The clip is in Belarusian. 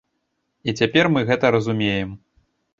І цяпер мы гэта разумеем!